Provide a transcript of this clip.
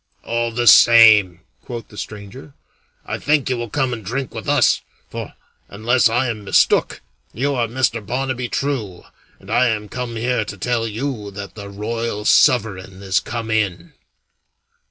"All the same," quoth the stranger, "I think you will come and drink with us; for, unless I am mistook, you are Mr. Barnaby True, and I am come here to tell you that the Royal Sovereign is come in."